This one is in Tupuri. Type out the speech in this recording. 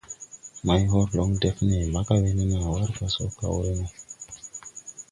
Maihorlong def nee mbaga we ne naa ʼwar pa so kawre no.